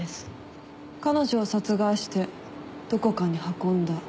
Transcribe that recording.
彼女を殺害してどこかに運んだ。